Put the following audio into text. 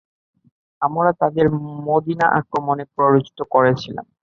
আমরা তাদেরকে মদীনা আক্রমণে প্ররোচিত করেছিলাম।